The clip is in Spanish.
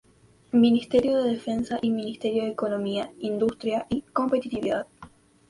Ministerio de Defensa y Ministerio de Economía, Industria y Competitividad.